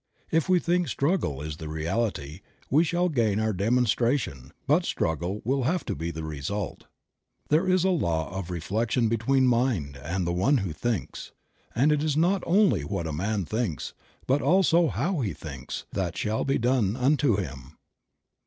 If we think struggle is the reality, we shall gain our demonstra tion, but struggle will have to be the result. There is a law of reflection between Mind and the one who thinks; and it is not only what a man thinks but also how he thinks that "shall be done unto him."